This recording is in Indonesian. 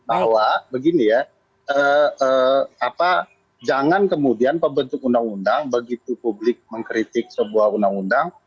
bahwa begini ya jangan kemudian pembentuk undang undang begitu publik mengkritik sebuah undang undang